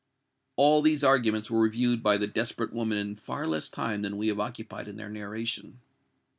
All these arguments were reviewed by the desperate woman in far less time than we have occupied in their narration.